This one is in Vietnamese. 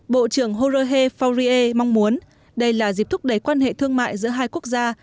bộ trưởng jorge faurier mong muốn đây là dịp thúc đẩy quan hệ thương mại giữa hai quốc gia